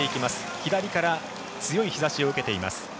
左から強い日差しを受けています。